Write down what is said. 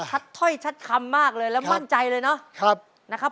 ทัดท่อยชัดคำมากเลยแล้วมั่นใจเลยเนอะครับนะครับ